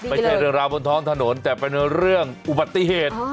ไม่ใช่เรื่องราวบนท้องถนนแต่เป็นเรื่องอุบัติเหตุ